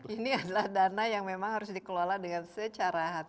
ini adalah dana yang memang harus dikelola dengan secara hati hati